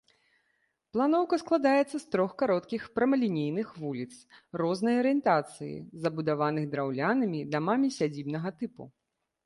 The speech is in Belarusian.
Планоўка складаецца з трох кароткіх прамалінейных вуліц рознай арыентацыі, забудаваных драўлянымі дамамі сядзібнага тыпу.